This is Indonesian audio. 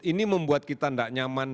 ini membuat kita tidak nyaman